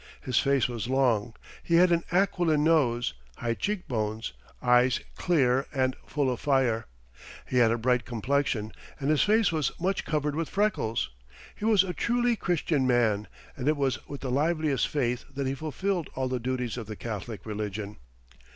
His face was long, he had an aquiline nose, high cheek bones, eyes clear and full of fire; he had a bright complexion, and his face was much covered with freckles. He was a truly Christian man, and it was with the liveliest faith that he fulfilled all the duties of the Catholic religion.